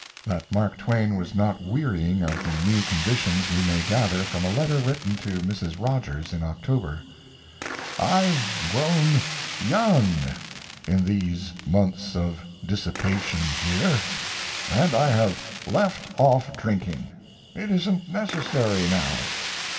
That Mark Twain was not wearying of the new conditions we may gather from a letter written to Mrs. Rogers in October: I've grown young in these months of dissipation here. And I have left off drinking it isn't necessary now.